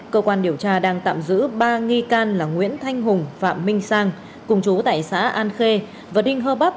bộ trà đang tạm giữ ba nghi can là nguyễn thanh hùng và minh sang cùng chú tại xã an khê và đinh hơ bắp